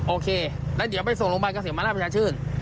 โอเคแล้วเดี๋ยวไปส่งโรงพยาบาลกับเสียงมาร่าพยาชื่น